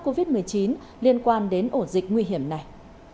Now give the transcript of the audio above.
các trường hợp lây nhiễm liên quan đến ổ dịch nguy hiểm này